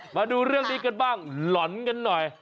มาดูเรื่องนี้กันบ้างหล่อนกันหน่อย